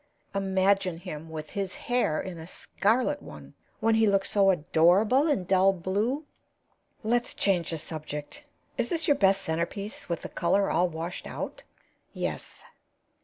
Imagine him, with his hair, in a scarlet one, when he looks so adorable in dull blue. Let's change the subject. Is this your best centerpiece, with the color all washed out?" "Yes."